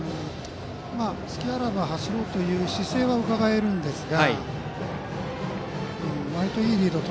隙あらば走ろうという姿勢はうかがえるんですが。